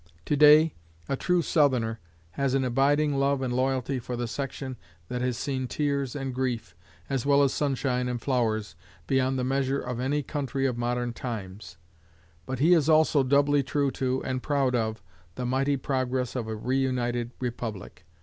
To day, a true Southerner has an abiding love and loyalty for the section that has seen tears and grief, as well as sunshine and flowers, beyond the measure of any country of modern times; but he is also doubly true to, and proud of, the mighty progress of a reunited Republic.